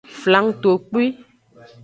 Flangtokpui.